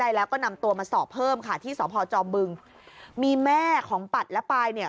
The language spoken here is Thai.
แล้วก็นำตัวมาสอบเพิ่มค่ะที่สพจอมบึงมีแม่ของปัดและปายเนี่ย